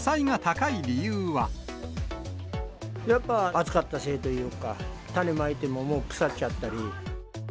やっぱ暑かったせいというか、種まいても、もう腐っちゃったり。